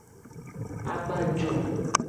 Agbanjo.